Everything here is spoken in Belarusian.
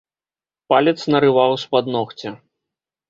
Палец нарываў з-пад ногця.